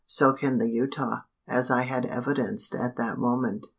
So can the Utah, as I had evidence at that moment.